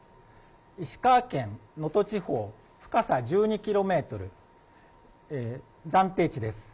石川県能登地方深さ１２キロメートル、暫定値です。